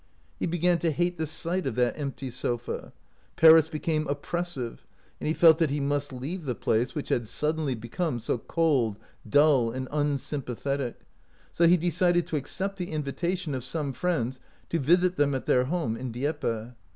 He began to hate the sight of that empty sofa. Paris became oppressive, and he felt that he must leave the place which had suddenly become so cold, dull, and unsympathetic, so he decided to accept the invitation of some friends to visit them at their home in Dieppe.